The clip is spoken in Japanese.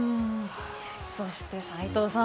そして齋藤さん